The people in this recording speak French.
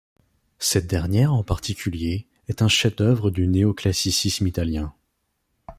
Cette dernière en particulier est un chef-d'œuvre du néo-classicisme italien.